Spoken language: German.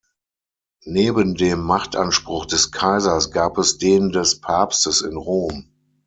Neben dem Machtanspruch des Kaisers gab es den des Papstes in Rom.